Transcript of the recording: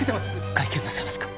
会見なさいますか？